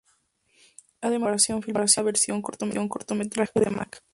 Además como preparación filmó una versión cortometraje de "Mac".